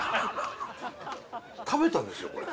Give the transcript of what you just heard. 食べたんですよこれ。